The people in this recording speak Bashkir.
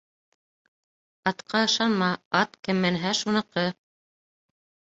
Атҡа ышанма: ат, кем менһә, шуныҡы.